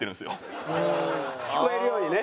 聞こえるようにね。